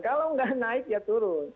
kalau nggak naik ya turun